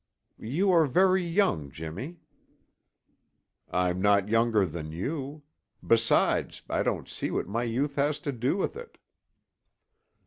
"You are very young, Jimmy." "I'm not younger than you. Besides, I don't see what my youth has to do with it."